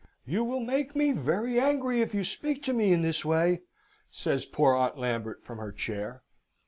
"You will make me very angry if you speak to me in this way," says poor Aunt Lambert from her chair.